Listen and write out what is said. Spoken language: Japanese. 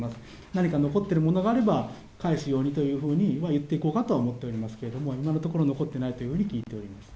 何か残ってるものがあれば、返すようにというふうに言っていこうかとは思っていますけれども、今のところ、残ってないというように聞いております。